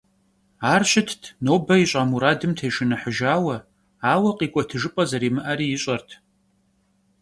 Ар щытт нобэ ищӏа мурадым тешыныхьыжауэ, ауэ къикӏуэтыжыпӏэ зэримыӏэри ищӏэрт.